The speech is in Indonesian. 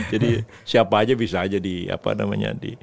jadi siapa aja bisa aja di apa namanya